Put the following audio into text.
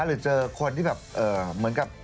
หรือเจอคนที่แบบเหมือนกับ